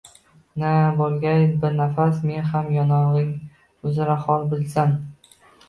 Na bo’lg’ay bir nafas men ham yonog’ing uzra xol bo’lsam